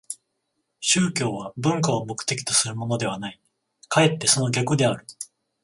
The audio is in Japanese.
宗教は文化を目的とするものではない、かえってその逆である。